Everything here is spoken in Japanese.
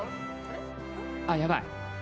あ、やばい。